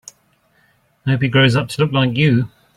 I hope he grows up to look like you.